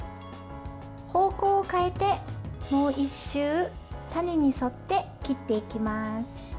方向を変えて、もう１周種に沿って切っていきます。